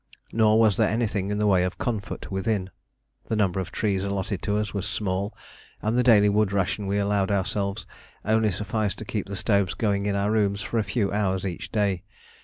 Nor was there anything in the way of comfort within. The number of trees allotted to us was small, and the daily wood ration we allowed ourselves only sufficed to keep the stoves going in our rooms for a few hours each day.